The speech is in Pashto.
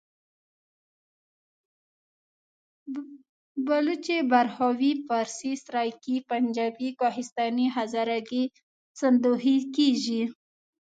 پښتو، بلوچي، براهوي، فارسي، سرایکي، پنجابي، کوهستاني، هزارګي، سندهي..ویل کېژي.